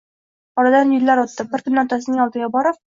Oradan yillar o`tdi, bir kuni otasining oldiga kirib